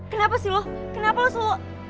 kenapa sih lo kenapa lo selalu punya